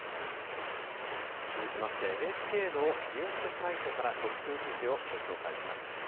続きましてＮＨＫのニュースサイトから特集記事をご紹介します。